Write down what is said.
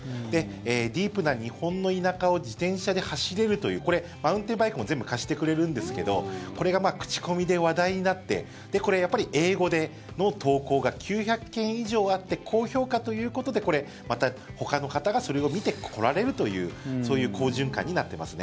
ディープな日本の田舎を自転車で走れるというこれ、マウンテンバイクも全部貸してくれるんですけどこれが口コミで話題になってやっぱり英語での投稿が９００件以上あって高評価ということでまた、ほかの方がそれを見て、来られるというそういう好循環になってますね。